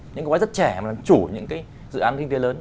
những người phụ nữ rất trẻ mà chủ những cái dự án kinh tế lớn